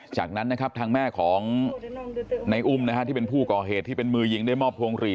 จากนั้นนะครับทางแม่ของในอุ้มนะฮะที่เป็นผู้ก่อเหตุที่เป็นมือยิงได้มอบพวงหลี